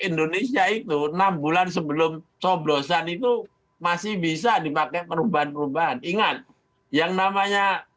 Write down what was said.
indonesia itu enam bulan sebelum coblosan itu masih bisa dipakai perubahan perubahan ingat yang namanya